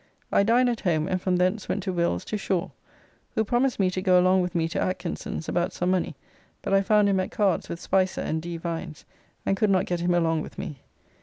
I dined at home, and from thence went to Will's to Shaw, who promised me to go along with me to Atkinson's about some money, but I found him at cards with Spicer and D. Vines, and could not get him along with me.